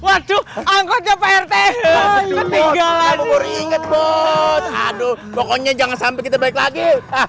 aduh pokoknya jangan sampai kita balik lagi